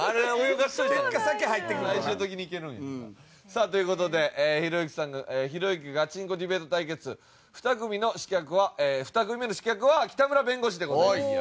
さあという事でひろゆきさんひろゆきガチンコディベート対決２組目の刺客は北村弁護士でございます。